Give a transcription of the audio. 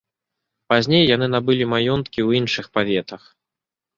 Пазней яны набылі маёнткі ў іншых паветах.